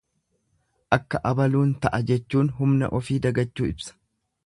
Akka abaluun ta'a jechuun humna ofi dagachuu ibsa.